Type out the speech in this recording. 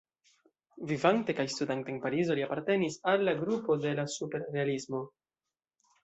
Vivante kaj studante en Parizo li apartenis al la grupo de la Superrealismo.